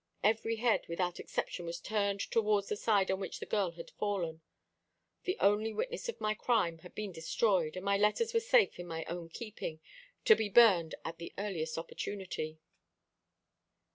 Every head without exception was turned towards the side on which the girl had fallen. The only witness of my crime had been destroyed, and my letters were safe in my own keeping, to be burned at the earliest opportunity."